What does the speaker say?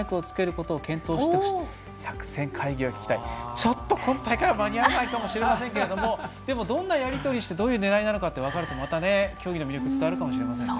ちょっと今大会は間に合わないかもしれませんがでもどんなやり取りをしてどんな狙いかが分かると競技の魅力伝わるかもしれません。